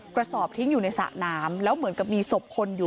กระสอบทิ้งอยู่ในสระน้ำแล้วเหมือนกับมีศพคนอยู่